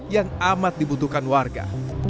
yang amat dibutuhkan warga